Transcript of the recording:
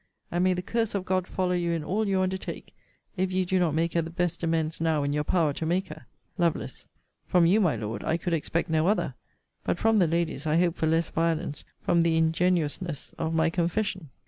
And may the curse of God follow you in all you undertake, if you do not make her the best amends now in your power to make her! Lovel. From you, my Lord, I could expect no other: but from the Ladies I hope for less violence from the ingenuousness of my confession.